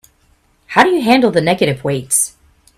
How do you handle the negative weights?